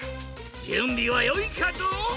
じゅんびはよいかドン？